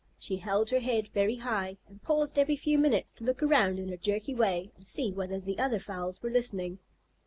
She held her head very high, and paused every few minutes to look around in her jerky way and see whether the other fowls were listening.